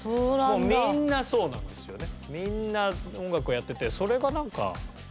もうみんなそうなんですよね。